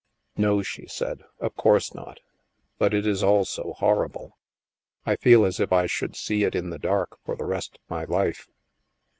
"" No/' she said, " of course not. But it is all so horrible. I feel as if I should see it in the dark for the rest of my life."